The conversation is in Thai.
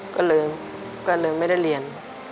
ก็เลยไม่ได้เรียน